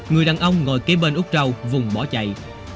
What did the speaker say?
người đàn ông ngồi kế bên úc râu vùng bỏ chạy